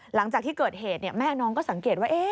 หลังจากที่เกิดเหตุแม่น้องก็สังเกตว่า